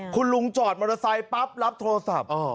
คุณลุงจอดมอเตอร์ไซค์ปั๊บรับโทรศัพท์